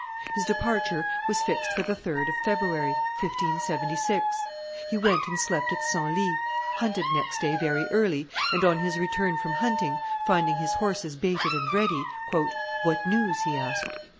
His departure was fixed for the 3d of February, 1576. He went and slept at Senlis; hunted next day very early, and, on his return from hunting, finding his horses baited and ready, "What news?" he asked.